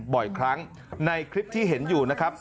บ่อยครั้งในคลิปที่เห็นอยู่นะครับ